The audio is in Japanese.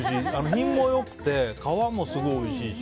品もよくて皮もすごくおいしいし。